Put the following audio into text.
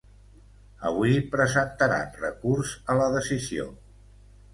Avui presentaran recurs a la decisió.